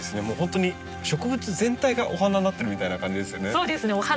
もうほんとに植物全体がお花になってるみたいな感じですよね。